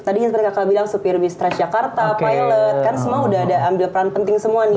tadi seperti kakak bilang supir bus transjakarta pilot kan semua udah ada ambil peran penting semua nih